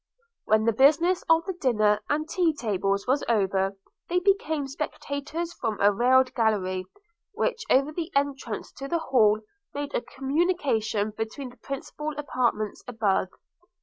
When the business of the dinner and tea tables was over, they became spectators from a railed gallery, which over the entrance to the hall made a communication between the principal apartments above.